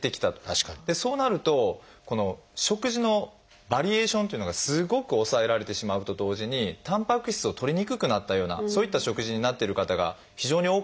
そうなるとこの食事のバリエーションというのがすごく抑えられてしまうと同時にたんぱく質をとりにくくなったようなそういった食事になってる方が非常に多かったんですね。